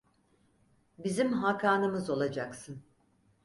Bizim hakanımız olacaksın.